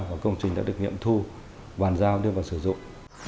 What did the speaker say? và công trình đã được nghiệm thu bàn giao đưa vào sử dụng